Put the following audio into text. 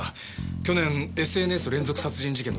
去年ＳＮＳ連続殺人事件の時に。